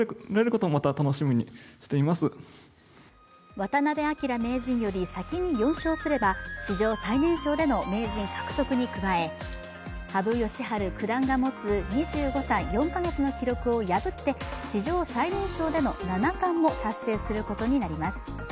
渡辺明名人より先に４勝すれば史上最年少での名人獲得に加え羽生善治九段が持つ２５歳４か月の記録を破って史上最年少での七冠も達成することになります。